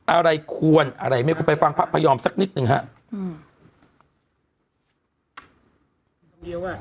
อะไรควรอะไรไม่ควรไปฟังพระพยอมสักนิดหนึ่งฮะอืม